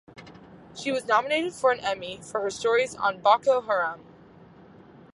She was nominated for an Emmy for her stories on Boko Haram.